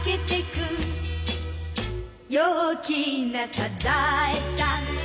「陽気なサザエさん」